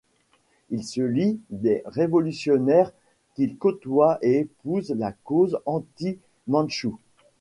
Il se lie des révolutionnaires qu'il côtoie et épouse la cause anti-mandchoue.